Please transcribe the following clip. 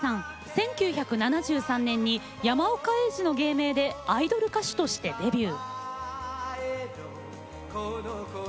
１９７３年に山岡英二の芸名でアイドル歌手としてデビュー。